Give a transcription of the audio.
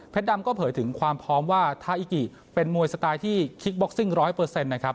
เพชรดำก็เผยถึงความพร้อมว่าทาอิกิเป็นมวยสไตล์ที่คลิกบ็อกซิ่ง๑๐๐นะครับ